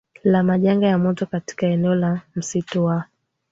la majanga ya moto katika eneo la msitu wa